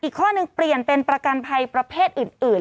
ข้อหนึ่งเปลี่ยนเป็นประกันภัยประเภทอื่น